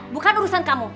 bukan urusan kamu